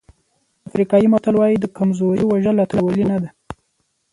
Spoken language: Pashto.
افریقایي متل وایي د کمزوري وژل اتلولي نه ده.